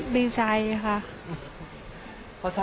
ดีใจค่ะ